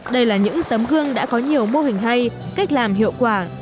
đây là những tấm gương đã có nhiều mô hình hay cách làm hiệu quả